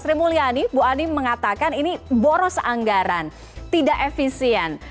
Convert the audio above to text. sri mulyani bu ani mengatakan ini boros anggaran tidak efisien